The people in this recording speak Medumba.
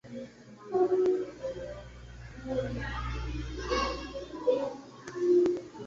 Náná lù fá càŋ Númí tɔ̌ tûɁndá ŋkɔ̀k tə̀tswə́Ɂ.